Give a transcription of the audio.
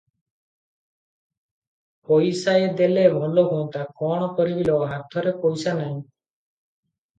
ପଇସାଏ ଦେଲେ ଭଲ ହୁଅନ୍ତା - କଣ କରିବି ଲୋ, ହାତରେ ପଇସା ନାହିଁ ।